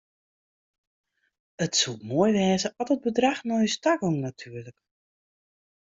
It soe moai wêze at it bedrach nei ús ta gong natuerlik.